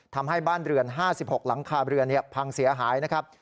ทำให้บ้านเรือน๕๖หลังคาเรือนพังเสียหายนะครับ